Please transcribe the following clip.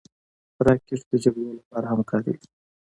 راکټ د جګړو لپاره هم کارېږي